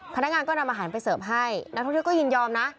พนักงานก็นำอาหารไปเสิร์ฟให้นักท่องเที่ยวก็ยินยอมนะ